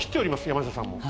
山下さんも。